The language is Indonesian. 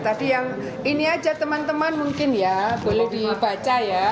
tadi yang ini aja teman teman mungkin ya boleh dibaca ya